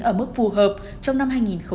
ở mức phù hợp trong năm hai nghìn một mươi chín